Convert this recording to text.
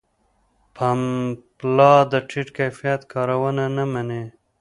پملا د ټیټ کیفیت کارونه نه مني.